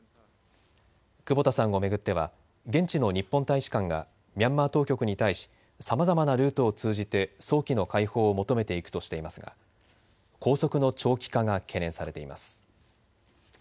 久保田さんを巡っては現地の日本大使館がミャンマー当局に対しさまざまなルートを通じて早期の解放を求めていくとしていますが拘束の長期化が懸念されています。